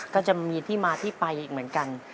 ก็จะมีที่มาที่ไปอีกเหมือนกัน